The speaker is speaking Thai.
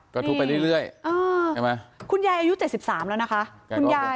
ก็ทุบไปเรื่อยคุณยายอายุเจ็ดสิบสามแล้วนะคะ